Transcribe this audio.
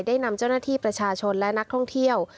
ได้นำเจ้าหน้าที่ประชาชนและนักท่องเที่ยว